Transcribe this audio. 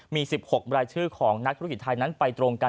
มี๑๖รายชื่อของนักธุรกิจไทยนั้นไปตรงกัน